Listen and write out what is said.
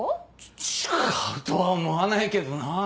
違うとは思わないけどなぁ。